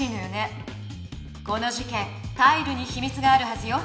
この事けんタイルにひみつがあるはずよ。